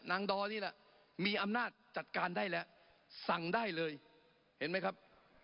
ดอนี่แหละมีอำนาจจัดการได้แล้วสั่งได้เลยเห็นไหมครับ